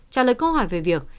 trả lời câu hỏi về việc